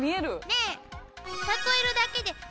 ねえ。